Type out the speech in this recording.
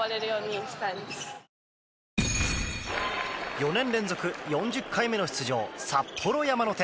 ４年連続４０回目の出場札幌山の手。